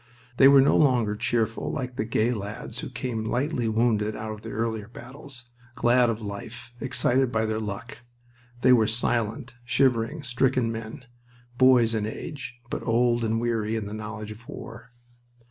They were no longer "cheerful" like the gay lads who came lightly wounded out of earlier battles, glad of life, excited by their luck. They were silent, shivering, stricken men; boys in age, but old and weary in the knowledge of war.